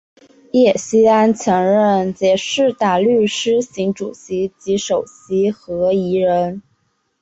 叶锡安曾任孖士打律师行主席及首席合夥人。